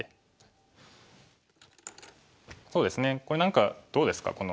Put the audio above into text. これ何かどうですか？